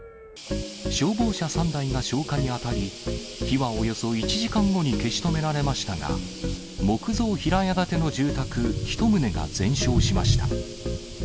消防車３台が消火に当たり、火はおよそ１時間後に消し止められましたが、木造平屋建ての住宅１棟が全焼しました。